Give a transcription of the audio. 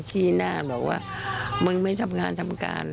อันนี้ผู้หญิงบอกว่าช่วยด้วยหนูไม่ได้เป็นอะไรกันเขาจะปั้มหนูอะไรอย่างนี้